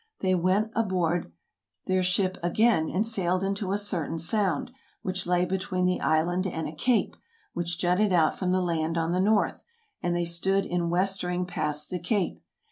They went aboard their ship again and sailed into a certain sound, which lay between the island and a cape, which jutted out from the land on the north, and they stood in westering past the cape.